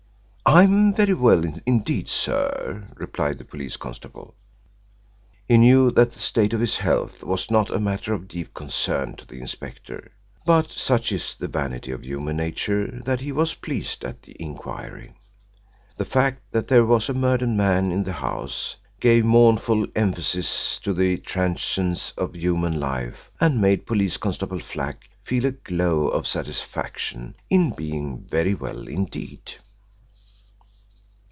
"I'm very well indeed, sir," replied the police constable. He knew that the state of his health was not a matter of deep concern to the inspector, but such is the vanity of human nature that he was pleased at the inquiry. The fact that there was a murdered man in the house gave mournful emphasis to the transience of human life, and made Police Constable Flack feel a glow of satisfaction in being very well indeed.